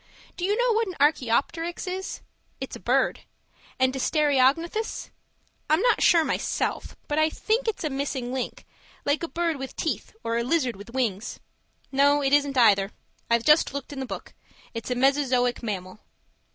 Do you know what an archaeopteryx is? It's a bird. And a stereognathus? I'm not sure myself, but I think it's a missing link, like a bird with teeth or a lizard with wings. No, it isn't either; I've just looked in the book. It's a mesozoic mammal.